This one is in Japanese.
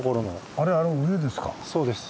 あれあの上ですか？